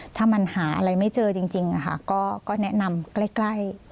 ถ้ามันหาอะไรไม่เจอจริงก็แนะนำใกล้